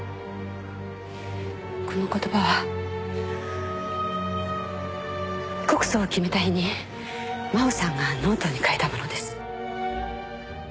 この言葉は告訴を決めた日に真穂さんがノートに書いたものです。